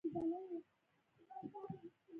آیا جومات د پښتنو د کلي مرکز نه وي؟